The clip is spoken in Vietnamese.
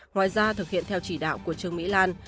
ngoài ra thực hiện theo chỉ đạo của trương mỹ lan